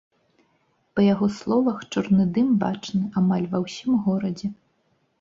Па яго словах, чорны дым бачны амаль ва ўсім горадзе.